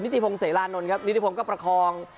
นิติพงศ์เสรลานนท์นิติพงศ์ก็ประคอง